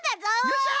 よっしゃ！